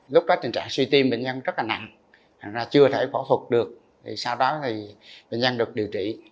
lúc đó trình trạng suy tim bệnh nhân rất nặng chưa thể phẫu thuật được sau đó bệnh nhân được điều trị